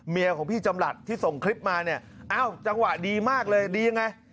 ของพี่จำหลัดที่ส่งคลิปมาเนี่ยอ้าวจังหวะดีมากเลยดียังไง